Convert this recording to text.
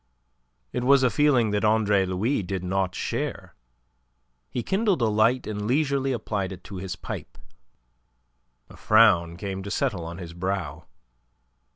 It was a feeling that Andre Louis did not share. He kindled a light and leisurely applied it to his pipe. A frown came to settle on his brow.